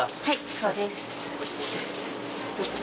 そうです。